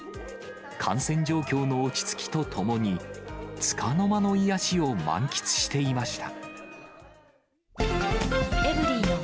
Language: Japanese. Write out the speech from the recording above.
感染状況の落ち着きとともに、つかの間の癒やしを満喫していました。